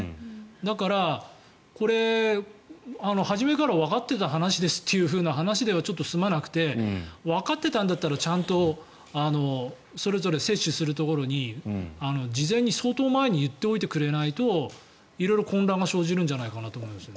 だから、これ、初めからわかっていた話ですという話ではちょっと済まなくてわかっていたんだったらちゃんとそれぞれ接種するところに事前に、相当前に言っておいてくれないと色々混乱が生じるんじゃないかと思いますね。